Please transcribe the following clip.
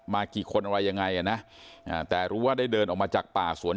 กี่คนอะไรยังไงอ่ะนะแต่รู้ว่าได้เดินออกมาจากป่าสวน